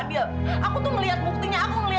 ini ini dia